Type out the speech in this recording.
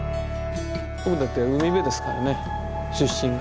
僕だって海辺ですからね出身が。